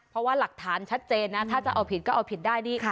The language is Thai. เพราะว่าหลักฐานชัดเจนนะถ้าจะเอาผิดก็เอาผิดได้นี่